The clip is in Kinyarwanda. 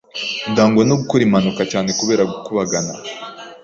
ndangwa no gukora impanuka cyane kubera gukubagana